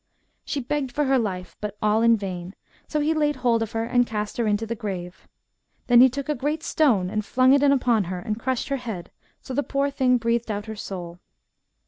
" She begged for her life, but all in vain, so he laid hold of her and cast her into the grave. Then he took a great stone and flung it in upon her and crushed her head, so the poor thing breathed out her soul.